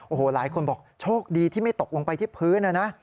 โอ้โหหลายคนบอกโชคดีที่ไม่ตกลงไปที่พื้นนะนะ